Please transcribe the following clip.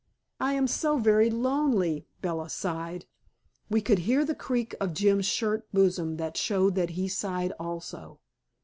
"I am so very lonely," Bella sighed. We could hear the creak of Jim's shirt bosom that showed that he had sighed also.